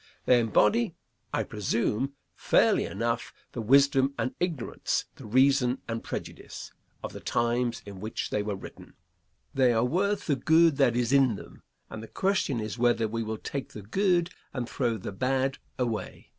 They embody, I presume, fairly enough, the wisdom and ignorance, the reason and prejudice, of the times in which they were written. They are worth the good that is in them, and the question is whether we will take the good and throw the bad away.